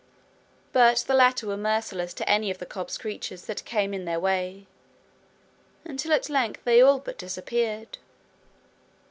But the latter were merciless to any of the cobs' creatures that came in their way, until at length they all but disappeared.